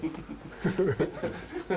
フフフフ。